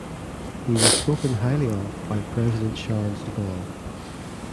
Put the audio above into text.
He was spoken highly of by President Charles de Gaulle.